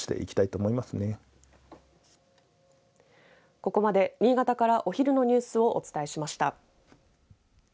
ここまで新潟からお昼のニュースをお伝えしました。